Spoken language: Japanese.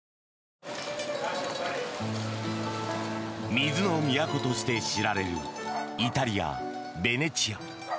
水の都として知られるイタリア・ベネチア。